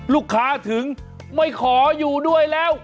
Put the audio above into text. ลูกค้าถึงไม่ขออยู่ด้วยแล้ว